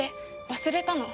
忘れたの？